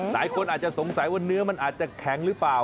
หลายคนอาจจะสงสัยว่าเนื้อมันอาจจะแข็งหรือเปล่า